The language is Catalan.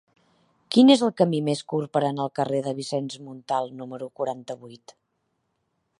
Quin és el camí més curt per anar al carrer de Vicenç Montal número quaranta-vuit?